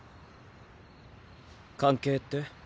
関係って？